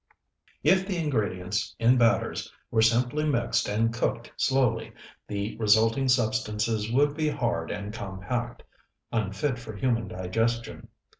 If the ingredients in batters were simply mixed and cooked slowly, the resulting substances would be hard and compact, unfit for human digestion.